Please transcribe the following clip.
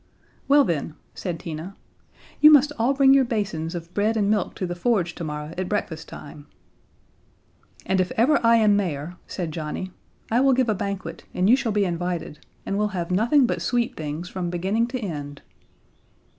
"Well, then," said Tina, "you must all bring your basins of bread and milk to the forge tomorrow at breakfast time." "And if ever I am mayor," said Johnnie, "I will give a banquet, and you shall be invited. And we'll have nothing but sweet things from beginning to end."